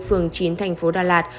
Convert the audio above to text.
phường chín tp đà lạt